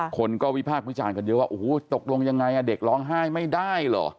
คนก็วิภาคมือจ่านกันเยอะว่าตกลงยังไงเด็กร้องไห้ไม่ได้หรอ